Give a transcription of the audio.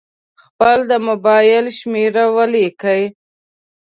خپل د مبایل شمېره ولیکئ.